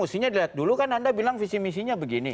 usinya dulu kan anda bilang visi misinya begini